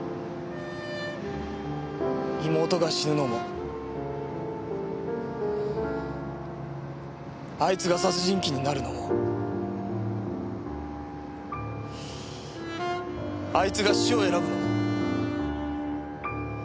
妹が死ぬのもあいつが殺人鬼になるのもあいつが死を選ぶのも。